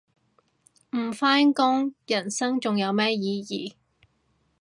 唔返工人生仲有咩意義